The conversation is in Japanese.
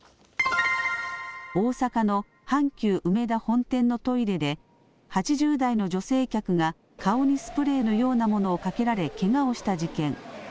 大阪の阪急うめだ本店のトイレで８０代の女性客が顔にスプレーのようなものをかけられけがをした事件。